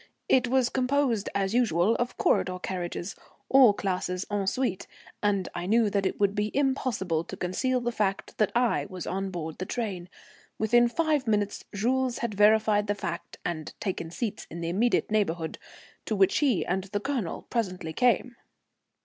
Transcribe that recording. It was composed as usual of corridor carriages, all classes en suite, and I knew that it would be impossible to conceal the fact that I was on board the train. Within five minutes Jules had verified the fact and taken seats in the immediate neighbourhood, to which he and the Colonel presently came.